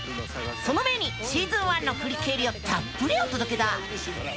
その前にシーズン１の振り返りをたっぷりお届けだ！